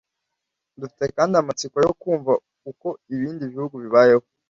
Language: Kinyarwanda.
Dufite kandi amatsiko yo kumva uko ibindi bihugu bibayeho